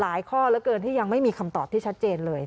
ข้อเหลือเกินที่ยังไม่มีคำตอบที่ชัดเจนเลย